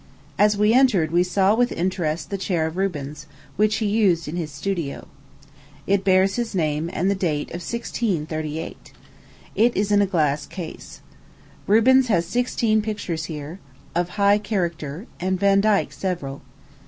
As we entered, we saw, with interest, the chair of Rubens, which he used in his studio. It bears his name, and the date of 1638. It is in a glass case. Rubens has sixteen pictures here, of high character, and Vandyke several.